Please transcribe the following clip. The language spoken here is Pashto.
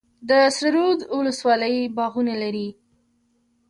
د سره رود ولسوالۍ باغونه لري